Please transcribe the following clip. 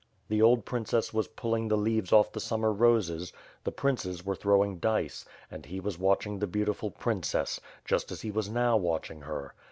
The old princess was pulling the leaves off the summer roses; the princes were throwing dice, and he was watching the beautiful princess, just as he was now watching her.